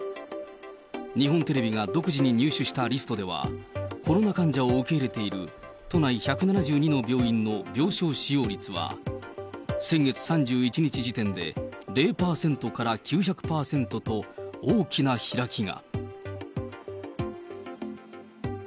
日本テレビが独自に入手したリストでは、コロナ患者を受け入れている、都内１７２の病院の病床使用率は、先月３１日時点で、０％から９００％と、大きな開きが。